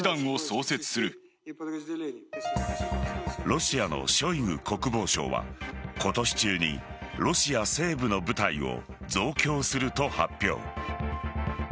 ロシアのショイグ国防相は今年中にロシア西部の部隊を増強すると発表。